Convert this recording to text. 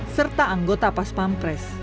serta anggota pas pampres